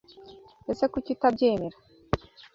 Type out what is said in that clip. Ese Kuki utabyemera?